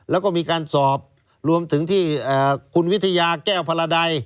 แล้วก็มีการสอบรวมถึงที่คุณวิทยาแก้วพระใด